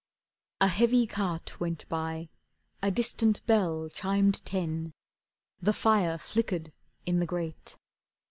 A heavy cart went by, a distant bell Chimed ten, the fire flickered in the grate.